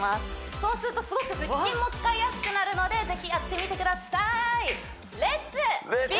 そうするとすごく腹筋も使いやすくなるので是非やってみてください